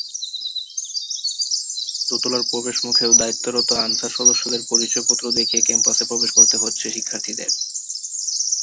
দোতলার প্রবেশমুখে দায়িত্বরত আনসার সদস্যদের পরিচয়পত্র দেখিয়ে ক্যাম্পাসে প্রবেশ করতে হচ্ছে শিক্ষার্থীদের।